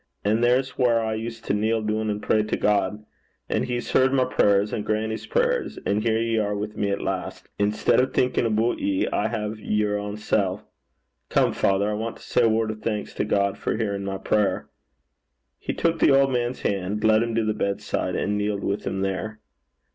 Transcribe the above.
An' there's whaur I used to kneel doon an' pray to God. An' he's heard my prayers, and grannie's prayers, and here ye are wi' me at last. Instead o' thinkin' aboot ye, I hae yer ain sel'. Come, father, I want to say a word o' thanks to God, for hearin' my prayer.' He took the old man's hand, led him to the bedside, and kneeled with him there.